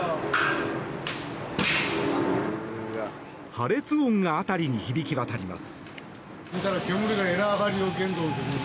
破裂音が辺りに響き渡ります。